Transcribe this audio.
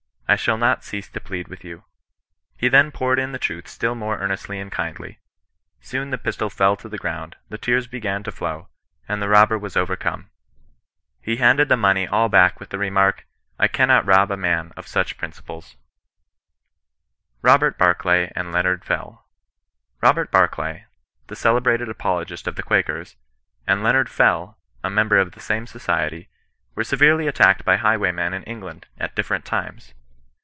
I shall not cease to plead witii you.' He then poured in the truth still more ear nestly and kindly. Soon the pistol fell to the ground ; the tears began to flow ; and the robber was overcome. He handed the money all backmih.\.\vax«SEQas^^''V' not rob a man of sucn principVes? ""^ 110 CHEISTIAN KON HESIfiTAirCB. ROBERT BARCLAT AND LEOKABD FELL. Robert Barclay, the celebrated apologist of the Quakers^ and Leonard Fell, a member of the same Society, were severally attacked by highwaymen in England, at differ ent times.